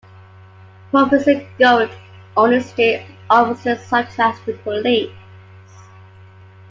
Provinces governed only state offices, such as the police.